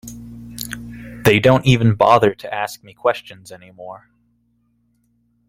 They don't even bother to ask me questions any more.